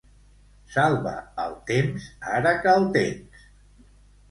Salva el temps ara que el tens.